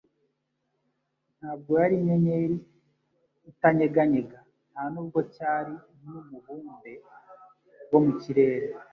Ntabwo yari inyenyeri itanyeganyega, nta nubwo cyari n'umubumbe wo mu kirere.